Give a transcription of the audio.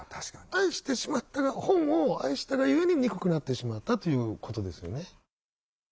愛してしまった本を愛したがゆえに憎くなってしまったということですよね。